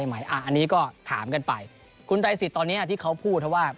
อันนี้ก็ถามกันไปคุณไตรสิทธิ์ตอนนี้ที่เขาพูดเพราะว่า